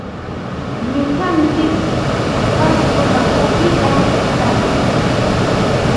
Nuqantsik pasco markapitam kantsik.